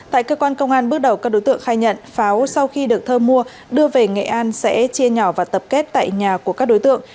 tại cơ quan công an bước đầu các đối tượng khai nhận pháo sau khi được thơ mua đưa về nghệ an sẽ chia nhỏ và tập kết tại nhà của các đối tượng